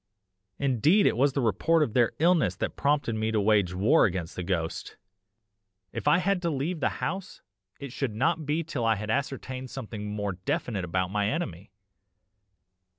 Indeed it was the report of their illness that prompted me to wage war against the ghost if I had to leave the house, it should not be till I had ascertained something more definite about my enemy.